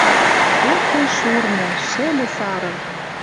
Эх тӹнь, шурны! Шӹльӹ сары!